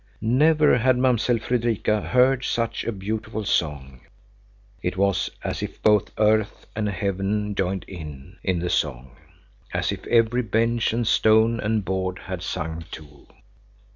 Never had Mamsell Fredrika heard such a beautiful song. It was as if both earth and heaven joined in, in the song; as if every bench and stone and board had sung too.